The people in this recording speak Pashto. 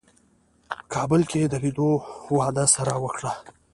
په کابل کې د لیدو وعده سره وکړه.